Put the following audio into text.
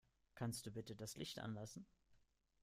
Kannst du bitte das Licht anlassen?